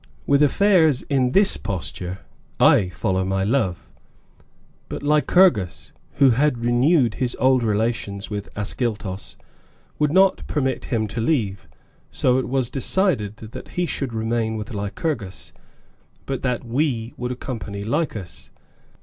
With affairs in this posture, I follow my love, but Lycurgus, who had renewed his old relations with Ascyltos, would not permit him to leave, so it was decided that he should remain with Lycurgus, but that we would accompany Lycas.